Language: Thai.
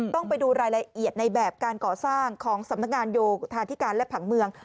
ต้องไปดูรายละเอียดในแบบการก่อสร้างของสำนักงานโยธาธิการและผังเมือง